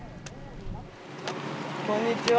こんにちは。